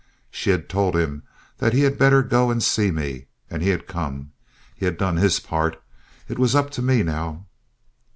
She had told him that he had better go and see me, and he had come. He had done his part; it was up to me now.